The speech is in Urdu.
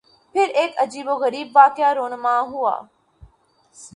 پھر ایک عجیب و غریب واقعہ رُونما ہوا